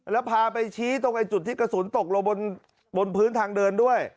แล้วพาไปชี้ตรงจุดที่กระสุนตกลงบนพื้นทางเดินด้วย